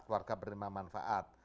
keluarga perempuan manfaat